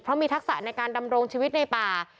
เพราะมีทักษะในการดำรงชีวิตในป่า